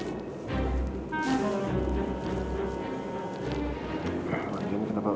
aduh aduh aduh